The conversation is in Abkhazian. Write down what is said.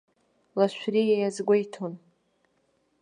Лашәриа иазгәеиҭон.